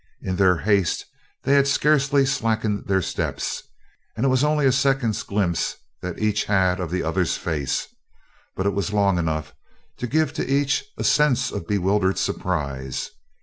In their haste they had scarcely slackened their steps, and it was only a second's glimpse that each had of the other's face, but it was long enough to give to each a sense of bewildered surprise.